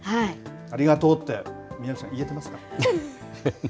ありがとうって宮内さん、言えてますか？